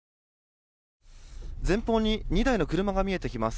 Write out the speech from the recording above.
前方に２台の車が見えてきます。